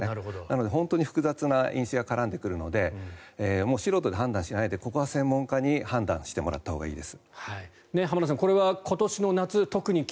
本当に複雑な因子が関わってくるので素人で判断しないでここは専門家に判断してもらったほうがいいです。